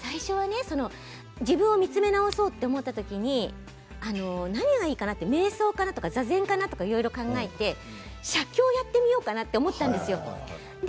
自分を見つめ直そうと思った時に何がいいかなとめい想かなとか座禅かなとか思ったんですけれど写経をやってみようかなと思ったんです。